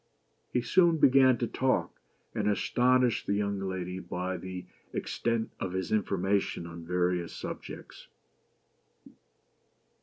He soon began to talk, and astonished the young lady by the extent of his information on various subjects.